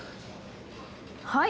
はい！